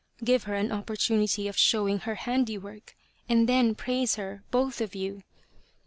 Give her an opportunity of showing her handiwork, and then praise her both of you.